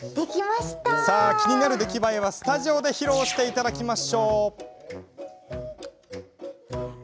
さあ、気になる出来栄えはスタジオで披露してもらいましょう。